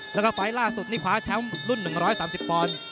แล้วก็ไฟล์ล่าสุดนี่คว้าแชมป์รุ่น๑๓๐ปอนด์